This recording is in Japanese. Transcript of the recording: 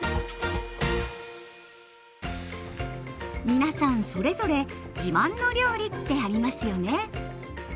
皆さんそれぞれ自慢の料理ってありますよね？